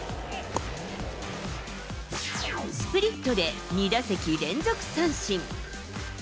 スプリットで２打席連続三振。